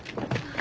あ。